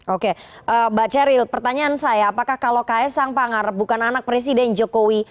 oke mbak ceril pertanyaan saya apakah kalau ks sang pangar bukan anak presiden jokowi